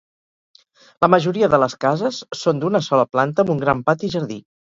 La majoria de les cases són d'una sola planta amb un gran pati i jardí.